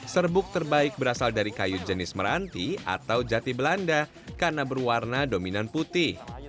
serbuk terbaik berasal dari kayu jenis meranti atau jati belanda karena berwarna dominan putih